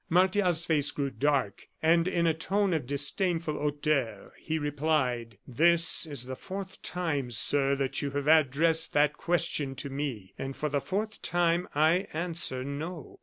Martial's face grew dark, and in a tone of disdainful hauteur, he replied: "This is the fourth time, sir, that you have addressed that question to me, and for the fourth time I answer: 'No.